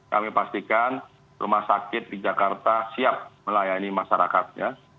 kami pastikan rumah sakit di jakarta siap melayani masyarakatnya